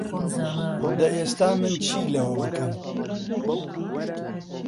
دە ئێستا من چی لەوە بکەم؟